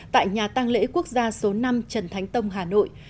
tại nhà tăng lễ quốc gia số năm trần thánh tông hà nội